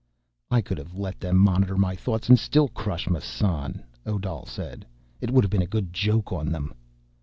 "I could have let them monitor my thoughts and still crush Massan," Odal said. "It would have been a good joke on them."